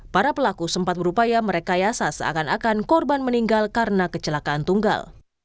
para pelaku sempat berupaya merekayasa seakan akan korban meninggal karena kecelakaan tunggal